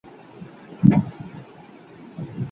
که زده کوونکی هره ورځ لیکل کوي نو دماغ یې فعالیږي.